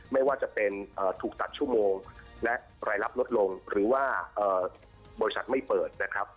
ไม่ว่าจะเป็นถูกตัดชั่วโมงและรายรับลดลงหรือว่าบริษัทไม่เปิดนะครับ